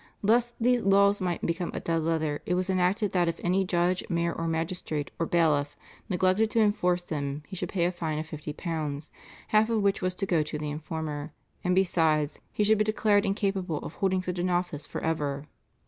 Lest these laws might become a dead letter it was enacted that if any judge, mayor, magistrate, or bailiff neglected to enforce them he should pay a fine of £50, half of which was to go to the informer, and besides, he should be declared incapable of holding such an office for ever.